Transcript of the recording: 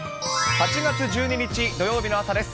８月１２日土曜日の朝です。